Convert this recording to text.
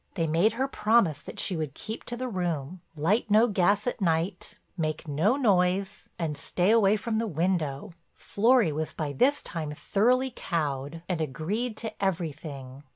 They made her promise that she would keep to the room, light no gas at night, make no noise, and stay away from the window. Florry was by this time thoroughly cowed and agreed to everything.